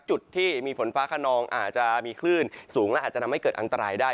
จุดที่มีฝนฟ้าขนองอาจจะมีคลื่นสูงและอาจจะทำให้เกิดอันตรายได้